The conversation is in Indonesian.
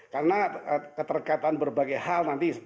karena ketergatan berbagai hal nanti